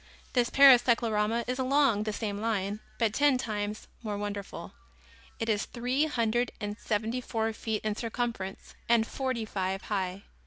This Paris cyclorama is along the same line, but ten times more wonderful. It is three hundred and seventy four feet in circumference and forty five high.